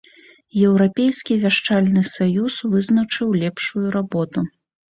Еўрапейскі вяшчальны саюз вызначыў лепшую работу.